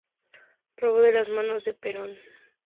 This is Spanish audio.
Robo de las manos de Perón